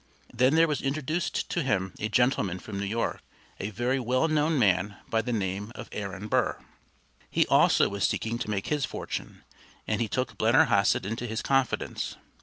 Then there was introduced to him a gentleman from New York, a very well known man by the name of Aaron Burr. He also was seeking to make his fortune, and he took Blennerhassett into his confidence.